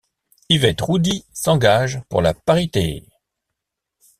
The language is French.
Yvette Roudy s'engage pour la parité.